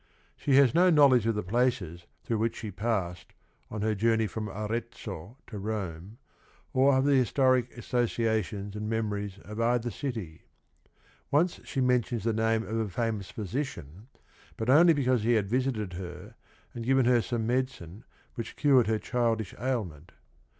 She has no knowledge of the places through which she passed on her journey from Arezzo to Rome, or of the historic associations and memories of either city. Once she mentions the name of a famous physician, but only because he had visited her and given her some medicine which cured her childish ail ment.